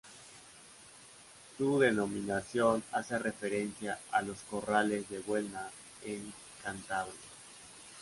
Su denominación hace referencia a Los Corrales de Buelna en Cantabria.